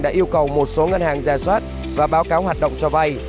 đã yêu cầu một số ngân hàng giả soát và báo cáo hoạt động cho bay